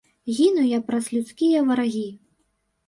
Гіну я праз людскія варагі.